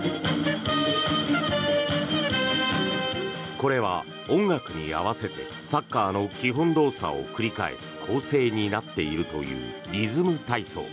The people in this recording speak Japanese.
これは音楽に合わせてサッカーの基本動作を繰り返す構成になっているというリズム体操。